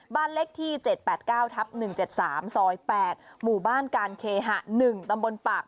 บ้านเลขที่๗๘๙ทับ๑๗๓ซอย๘หมู่บ้านการเคหะ๑ตำบลปาก